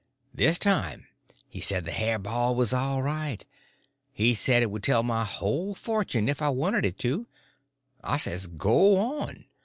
This time he said the hair ball was all right. He said it would tell my whole fortune if I wanted it to. I says, go on.